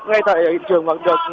ngay tại trường mặt trời